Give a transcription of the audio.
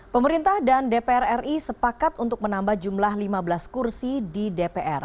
pemerintah dan dpr ri sepakat untuk menambah jumlah lima belas kursi di dpr